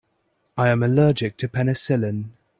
I am allergic to penicillin.